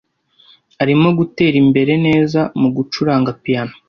Arimo gutera imbere neza mugucuranga piyano.